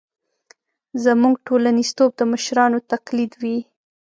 زموږ ټولنیزتوب د مشرانو تقلید وي.